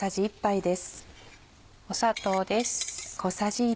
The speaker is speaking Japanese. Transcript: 砂糖です。